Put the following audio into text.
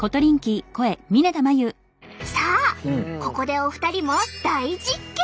さあここでお二人も大実験！